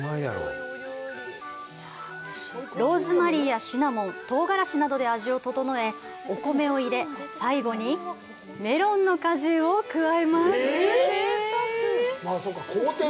ローズマリーやシナモンとうがらしなどで味を調え、お米を入れ最後にメロンの果汁を加えます。